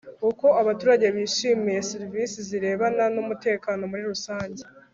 Uko abaturage bishimiye serivisi zirebana n umutekano muri rusange